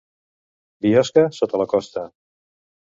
Biosca, sota la costa.